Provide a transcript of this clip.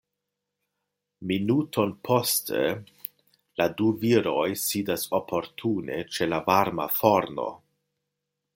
Minuton poste la du viroj sidas oportune ĉe la varma forno.